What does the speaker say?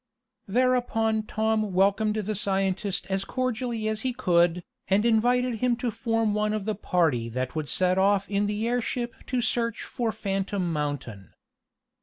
Thereupon Tom welcomed the scientist as cordially as he could, and invited him to form one of the party that would set off in the airship to search for Phantom Mountain.